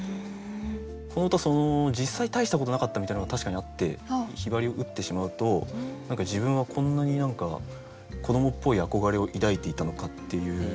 この歌実際大したことなかったみたいなのが確かにあって雲雀を打ってしまうと何か自分はこんなに子どもっぽい憧れを抱いていたのかっていう。